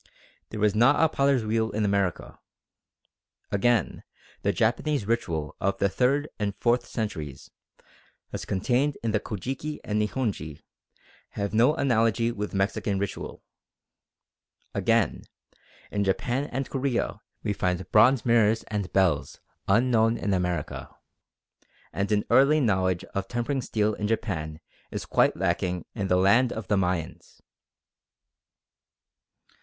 There was not a potter's wheel in America. Again, the Japanese ritual of the third and fourth centuries, as contained in the Kojiki and Nihonji, have no analogy with Mexican ritual. Again, in Japan and Korea we find bronze mirrors and bells unknown in America, and an early knowledge of tempering steel in Japan is quite lacking in the land of the Mayans.